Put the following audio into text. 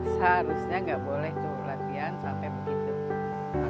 seharusnya nggak boleh tuh latihan sampai begitu